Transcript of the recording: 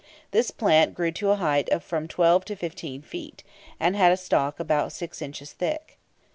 This plant grew to a height of from 12 to 15 feet, and had a stalk about 6 inches thick.